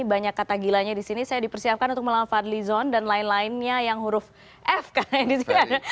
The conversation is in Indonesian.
ini banyak kata gilanya di sini saya dipersiapkan untuk melawan farly zon dan lain lainnya yang huruf f kan yang di sini ada